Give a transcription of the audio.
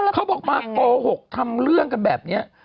เขาบอกมาโกหกทำเรื่องกันแบบนี้